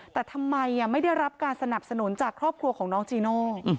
แต่ทำไมไม่ได้รับการสนับสนุนจากครอบครัวของน้องจีโน่